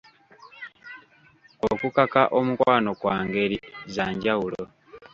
Okukaka omukwano kwa ngeri za njawulo.